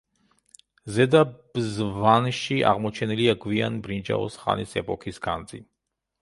ზედა ბზვანში აღმოჩენილია გვიან ბრინჯაოს ხანის ეპოქის განძი.